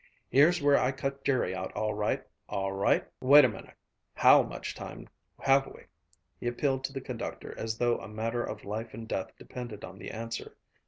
"Here's where I cut Jerry out all right, all right! Wait a minute! How much time have we?" He appealed to the conductor as though a matter of life and death depended on the answer.